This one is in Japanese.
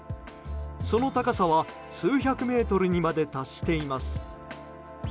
その高さは数百メートルにまで達しています。